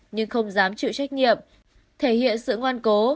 nhưng không dám chịu trách nhiệm thể hiện sự ngoan cố